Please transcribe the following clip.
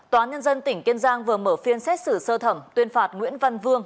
tòa nhân dân tỉnh kiên giang vừa mở phiên xét xử sơ thẩm tuyên phạt nguyễn văn vương